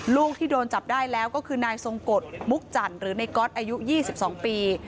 ลูกที่โดนจับได้แล้วก็คือนายทรงกฎมุกจันทร์หรือในก๊อตอายุ๒๒ปี